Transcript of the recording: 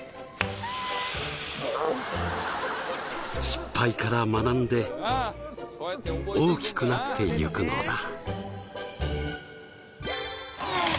失敗から学んで大きくなってゆくのだ。